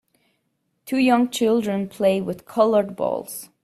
Two young children play with colored balls.